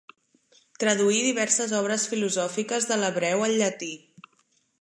Traduí diverses obres filosòfiques de l’hebreu al llatí.